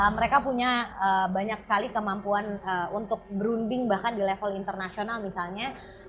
mereka punya banyak sekali kemampuan untuk berunding bahkan di level internasional misalnya